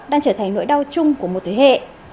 đang trở thành nỗi đau chung của một thế hệ